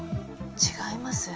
違います。